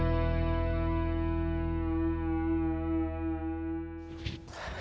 kamu aja akan malu